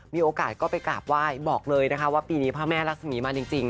มีโอกาสก็ไปกราบไหว้บอกเลยนะคะว่าปีนี้พระแม่รักษมีมาจริง